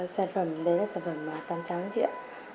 sản phẩm đấy là sản phẩm tắm trắng chị ạ